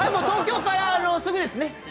東京からすぐですね。